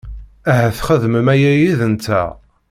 Ahat txedmem aya yid-nteɣ.